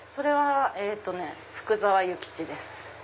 福沢諭吉です。